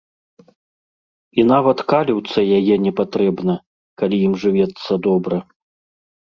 І нават каліўца яе не патрэбна, калі ім жывецца добра.